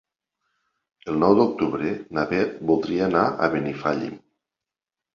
El nou d'octubre na Beth voldria anar a Benifallim.